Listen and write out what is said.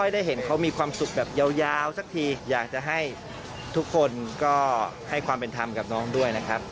เดี๋ยวยาวสักทีอยากจะให้ทุกคนก็ให้ความเป็นธรรมกับน้องด้วยนะครับ